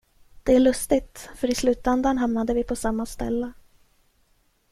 Det är lustigt, för i slutändan hamnade vi på samma ställe.